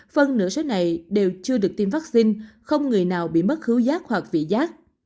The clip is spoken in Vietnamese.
phần nửa số này đều chưa được tiêm vaccine không người nào bị mất hữu giác hoặc vị giác